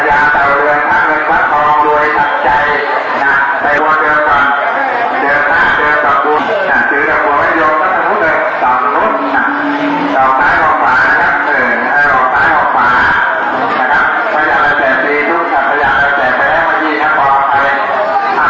แล้วใครจะรับรองเท้าเวลาเท่านู้นเท่าสิบหกเกิดเขาก็จะไปแกะรองเท้าไว้ข้างแล้วก็จะเลยไปปลูกยุทธ์โรคสำหรับด้วยความรับข้อลดนะครับ